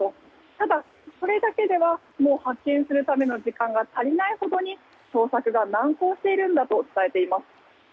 ただそれだけでは発見するための時間が足りないほどに捜索が難航しているんだと伝えています。